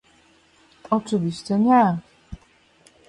Oczywiście nie!